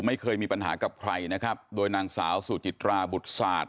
ไม่เคยมีปัญหากับใครนะครับโดยนางสาวสุจิตราบุตรศาสตร์